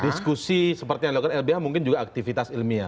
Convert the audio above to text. diskusi seperti yang dilakukan lbh mungkin juga aktivitas ilmiah